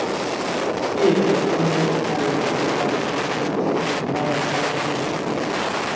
He is of English, Irish and Scottish descent, and is one of five children.